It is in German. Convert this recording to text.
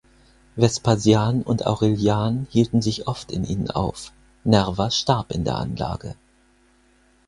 Vespasian und Aurelian hielten sich oft in ihnen auf, Nerva starb in der Anlage.